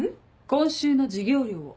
今週の授業料を。